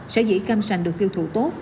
sở dĩ cam xanh được tiêu thụ tốt